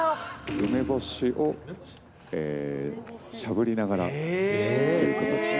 梅干しをしゃぶりながらということですね。